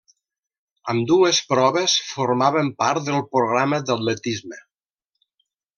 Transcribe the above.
Ambdues proves formaven part del programa d'atletisme.